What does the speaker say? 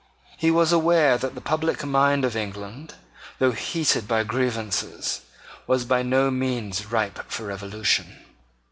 He was aware that the public mind of England, though heated by grievances, was by no means ripe for revolution.